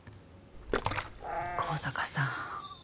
向坂さん。